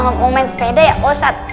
ehm mau main sepeda ya ustaz